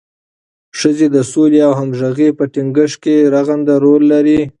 ښځې د سولې او همغږۍ په ټینګښت کې رغنده رول لري.